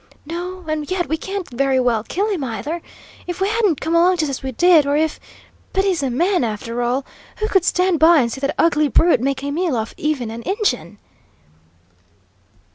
"No, and yet we can't very well kill him, either! If we hadn't come along just as we did, or if but he's a man, after all! Who could stand by and see that ugly brute make a meal off even an Injun?"